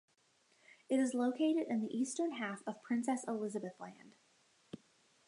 It is located in the eastern half of Princess Elizabeth Land.